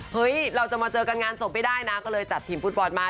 เฮ้ยเราจะมาเจอกันงานศพไม่ได้นะก็เลยจัดทีมฟุตบอลมา